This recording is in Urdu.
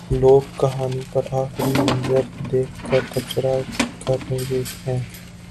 لوگ کہانی پر آخری منظر دیکھ کر تبصرہ کر رہے ہیں۔